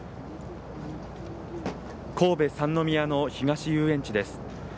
神戸・三宮の東遊園地です。